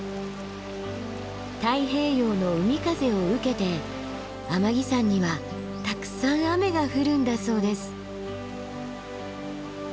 太平洋の海風を受けて天城山にはたくさん雨が降るんだそうです。